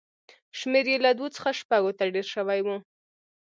شمېر یې له دوو څخه شپږو ته ډېر شوی و